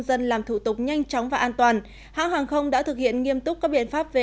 dân làm thủ tục nhanh chóng và an toàn hãng hàng không đã thực hiện nghiêm túc các biện pháp về